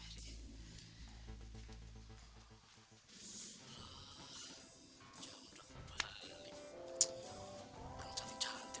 semua hartanya adi